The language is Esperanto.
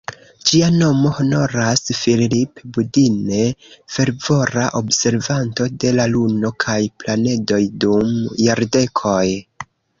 Ĝia nomo honoras "Phillip Budine", fervora observanto de la Luno kaj planedoj dum jardekoj.